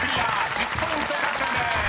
１０ポイント獲得です］